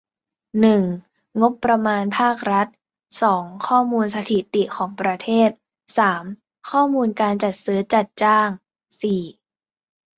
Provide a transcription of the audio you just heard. หนึ่ง งบประมาณภาครัฐ สอง ข้อมูลสถิติของประเทศ สาม ข้อมูลการจัดซื้อ จัดจ้าง สี่